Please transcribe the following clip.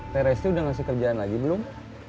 teresti udah ngasih kerjaan lagi belum